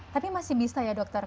tapi masih bisa ya dokter